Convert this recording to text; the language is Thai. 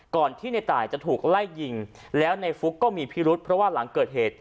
ก่อนที่ในตายจะถูกไล่ยิงแล้วในฟุ๊กก็มีพิรุษเพราะว่าหลังเกิดเหตุ